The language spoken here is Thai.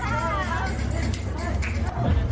ต่อเลย